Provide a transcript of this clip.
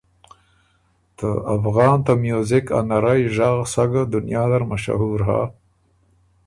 ته افغان ته میوزِک ا نرئ ژغ سَۀ ګه دنیا نر مشهور هۀ